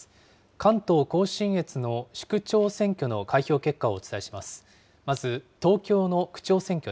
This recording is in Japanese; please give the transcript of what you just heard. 関東甲信越の市区長選挙の開票結果をお伝えします。